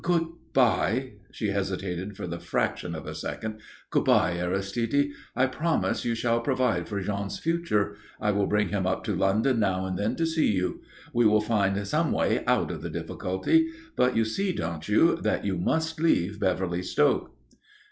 "Good bye" she hesitated for the fraction of a second "Good bye, Aristide. I promise you shall provide for Jean's future. I will bring him up to London now and then to see you. We will find some way out of the difficulty. But you see, don't you, that you must leave Beverly Stoke?"